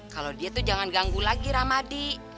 kalau dia tuh jangan ganggu lagi ramadi